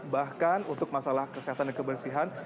bahkan untuk masalah kesehatan dan kebersihan